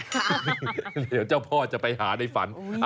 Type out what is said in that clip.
เดี๋ยวเจ้าพ่อจะไปหาในฝัน